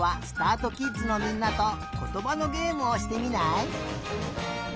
あとキッズのみんなとことばのげえむをしてみない？